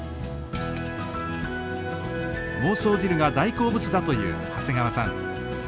孟宗汁が大好物だという長谷川さん。